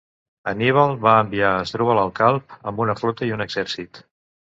Anníbal va enviar a Àsdrubal el Calb amb una flota i un exèrcit.